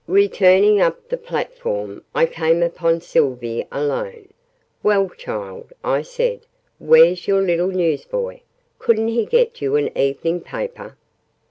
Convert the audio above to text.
Returning up the platform, I came upon Sylvie alone. "Well, child," I said, "where's your little news boy? Couldn't he get you an evening paper?"